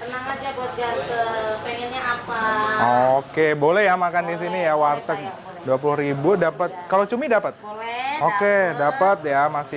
tenang aja buat jatuh pengennya apa oke boleh ya makan di sini ya warteg dua puluh ribu dapat kalau cumi dapat oke dapat ya masian ya